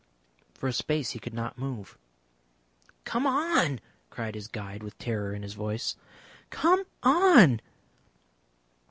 For a space he could not move. "Come on!" cried his guide, with terror in his voice. "Come on!"